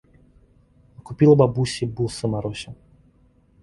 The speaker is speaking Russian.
Купила бабуся бусы Марусе.